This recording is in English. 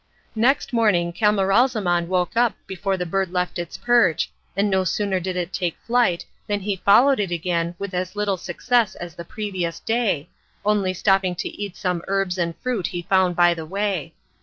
Next morning Camaralzaman woke up before the bird left its perch, and no sooner did it take flight than he followed it again with as little success as the previous day, only stopping to eat some herbs and fruit he found by the way.